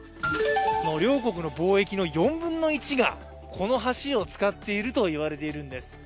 両国の貿易の４分の１がこの橋を使っていると言われているんです。